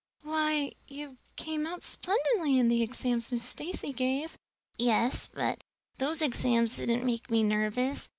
"Why, you came out splendidly in the exams Miss Stacy gave." "Yes, but those exams didn't make me nervous.